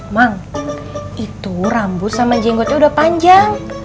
mang itu rambut sama jenggotnya udah panjang